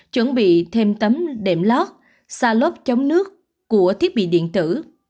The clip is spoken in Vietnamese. chuẩn bị thêm tấm đệm lót xa lốp chống nước của thiết bị điện tử